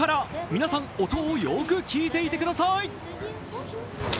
皆さん、音をよーく聞いていてください。